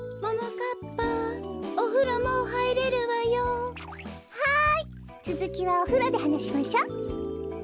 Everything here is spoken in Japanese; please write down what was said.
かっぱおふろもうはいれるわよ。はいつづきはおふろではなしましょ。